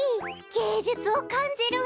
げいじゅつをかんじるわ！